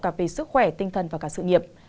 cả về sức khỏe tinh thần và cả sự nghiệp